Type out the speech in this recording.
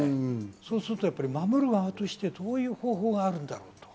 そうすると守る側としてどういう方法があるんだと。